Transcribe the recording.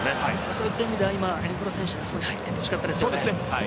そういった意味ではエムボロ選手そこ入っていってほしかったですね。